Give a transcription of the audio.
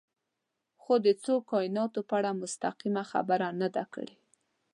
خو د څو کایناتونو په اړه مستقیمه خبره نه ده کړې.